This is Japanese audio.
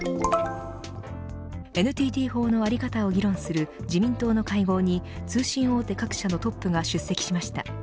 ＮＴＴ法の在り方を議論する自民党の会合に通信大手各社のトップが出席しました。